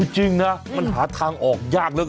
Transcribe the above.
จริงนะมันหาทางออกยากเหลือเกิน